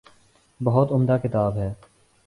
بہت عمدہ کتاب ہے۔